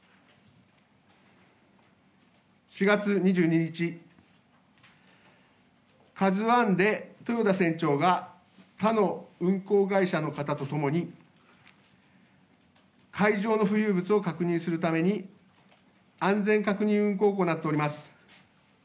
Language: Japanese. ４月２２日、カズワンで豊田船長が、他の運航会社の方と共に、海上の浮遊物を確認するために、安全確認運航を行っております。